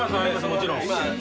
もちろん。